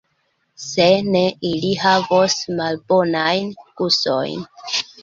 Se ne, ili havos malbonajn gustojn.